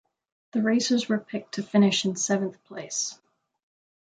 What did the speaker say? The Racers were picked to finish in seventh place.